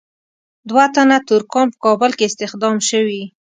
دوه تنه ترکان په کابل کې استخدام شوي.